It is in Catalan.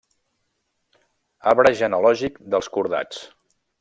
Arbre genealògic dels cordats.